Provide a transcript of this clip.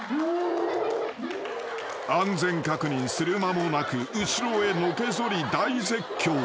［安全確認する間もなく後ろへのけ反り大絶叫］